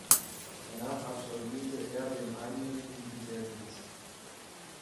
Danach absolvierte er den einjährigen Militärdienst.